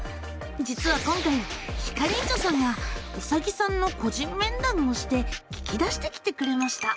実は今回ひかりんちょさんがうさぎさんの「個人面談」をして聞き出してきてくれました。